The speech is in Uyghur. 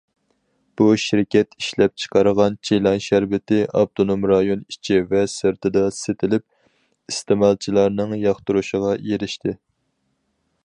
بۇ شىركەت ئىشلەپچىقارغان چىلان شەربىتى ئاپتونوم رايون ئىچى ۋە سىرتىدا سېتىلىپ، ئىستېمالچىلارنىڭ ياقتۇرۇشىغا ئېرىشتى.